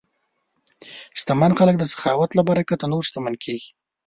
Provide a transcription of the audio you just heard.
شتمن خلک د سخاوت له برکته نور شتمن کېږي.